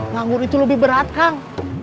nganggur itu lebih berat kang